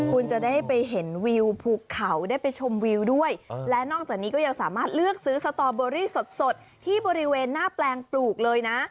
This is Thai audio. คุณจะได้ไปเห็นวิวภูเขาได้ไปชมวิวด้วยและนอกจากนี้ก็ยังสามารถเลือกซื้อสตอเบอรี่สดที่บริเวณหน้าแปลงปลูกเลยนะ